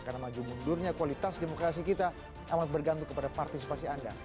karena maju mundurnya kualitas demokrasi kita amat bergantung kepada partisipasi anda